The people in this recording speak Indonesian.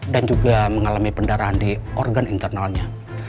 dan juga mengalami pendarahan di organ internalnya